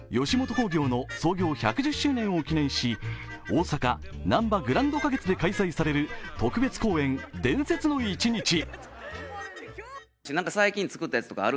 吉本興業の創業１１０周年を記念し大阪・なんばグランド花月で開催される特別公演「伝説の一日」。